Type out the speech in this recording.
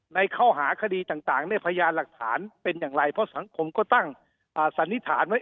ในข้อหาคดีต่างเนี่ยพยานหลักฐานเป็นอย่างไรเพราะสังคมก็ตั้งสันนิษฐานไว้